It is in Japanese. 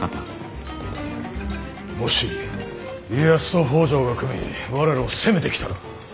もし家康と北条が組み我らを攻めてきたら。